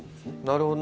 なるほど。